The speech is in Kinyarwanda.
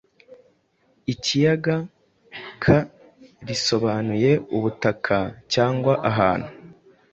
ikiyaga” ; Ka risobanuye « ubutaka » cyangwa « ahantu »“.